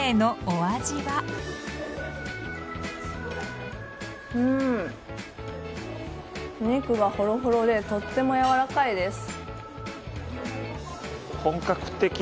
お肉がホロホロでとてもやわらかいです。